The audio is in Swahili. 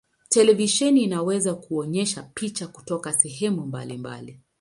Televisheni inaweza kuonyesha picha kutoka sehemu mbalimbali.